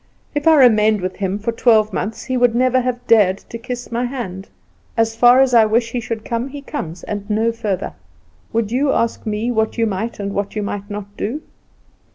If I remained with him for twelve months he would never have dared to kiss my hand. As far as I wish he should come, he comes, and no further. Would you ask me what you might and what you might not do?"